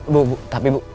bu tapi bu